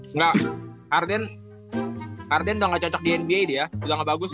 engga harden udah ga cocok di nba dia udah ga bagus